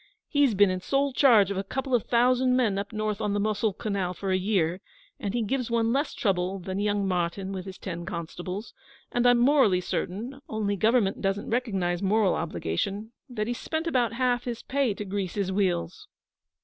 'He's been in sole charge of a couple of thousand men up north on the Mosuhl Canal for a year, and he gives one less trouble than young Martyn with his ten constables; and I'm morally certain only Government doesn't recognise moral obligations that he's spent about half his pay to grease his wheels.